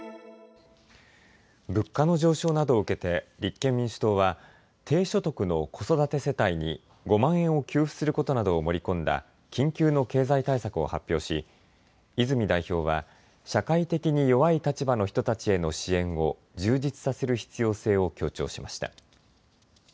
物価の上昇などを受けて立憲民主党は低所得の子育て世帯に５万円を給付することなどを盛り込んだ緊急の経済対策を発表し泉代表は社会的に弱い立場の人たちへの支援を充実させる必要性を強調しました。